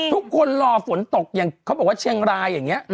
รอฝนตกอย่างเขาบอกว่าเชียงรายอย่างนี้